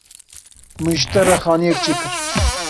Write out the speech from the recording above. Min ji te re xaniyek çêkir.